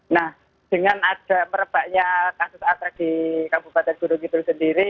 nah dengan ada merebaknya kasus antrak di kabupaten gunung kidul sendiri